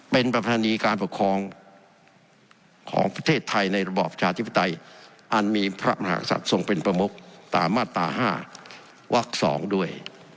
เป็นประธานีการปกครองของประเทศไทยในระบอบประชาธิปไตยอันมีพระมหาศัตว์ทรงเป็นประมุกตามมาตรา๕วัก๒ด้วย